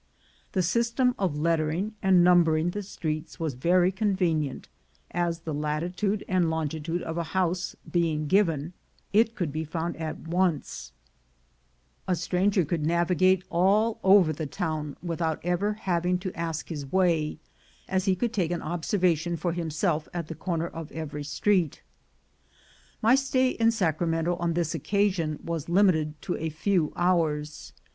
This system of lettering and numbering the streets was very convenient, as, the latitude and longi tude of a house being given, it could be found at once. 106 THE GOLD HUNTERS A stranger could navigate all over the tow^n w^Ithout ever having to ask his way, as he could take an obser vation for himself at the corner of every street. My stay in Sacramento on this occasion was limited to a few hours.